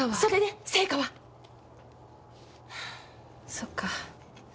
そっか。